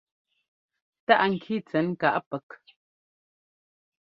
Táꞌ ŋki tsɛn káꞌ pɛk.